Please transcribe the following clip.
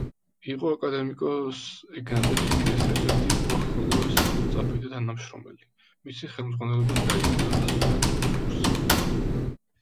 იყო აკადემიკოს ეგნატე ფიფიას ერთ-ერთი უახლოესი მოწაფე და თანამშრომელი, მისი ხელმძღვანელობით გაიარა ასპირანტურის კურსი.